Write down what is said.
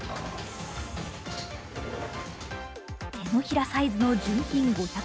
手のひらサイズの純金５００ｇ